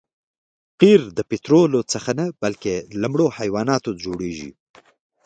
قیر د پطرولو څخه نه بلکې له مړو حیواناتو جوړیږي